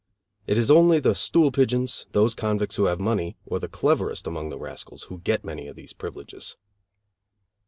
It is only the stool pigeons, those convicts who have money, or the cleverest among the rascals, who get many of these privileges.